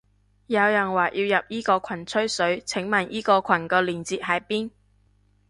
有人話要入依個羣吹水，請問依個羣個鏈接喺邊？